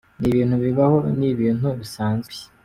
Ni ibintu bibaho, ni ibintu bisanzwe.